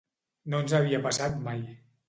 No ens havia passat mai.